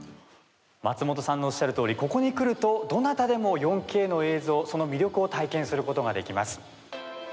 松本さんのおっしゃるとおりここに来ると、どなたでも４Ｋの映像、その魅力を体験することができます。